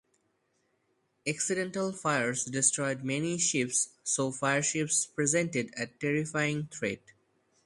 Accidental fires destroyed many ships, so fire ships presented a terrifying threat.